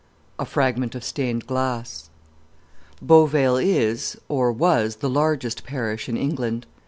A Fragment of Stained Glass Beauvale is, or was, the largest parish in England.